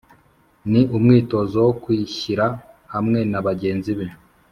Ni umwitozo wo kwishyira hamwe na bagenzi be